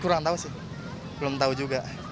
kurang tahu sih belum tahu juga